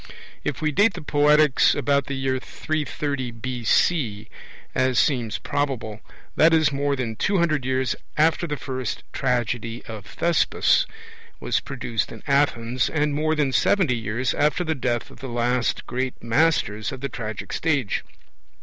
If we date the Poetics about the year 330 B.C., as seems probable, that is more than two hundred years after the first tragedy of Thespis was produced in Athens, and more than seventy after the death of the last great masters of the tragic stage.